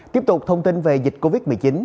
tiếp tục thông tin về dịch covid một mươi chín